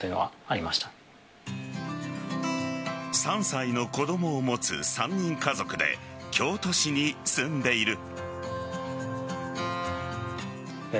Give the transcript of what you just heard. ３歳の子供を持つ３人家族で京都市に住んでいる。